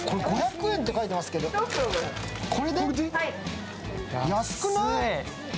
これ、５００円って書いてますけど、安くない？